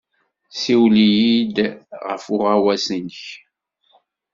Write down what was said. Ssiwel-iyi-d ɣef uɣawas-nnek.